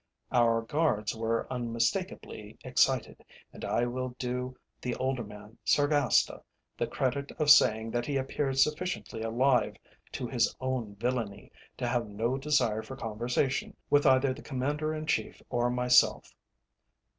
Our guards were unmistakably excited, and I will do the older man, Sargasta, the credit of saying that he appeared sufficiently alive to his own villainy to have no desire for conversation with either the Commander in Chief or myself.